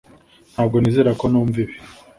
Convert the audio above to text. Ntabwo nizera ko numva ibi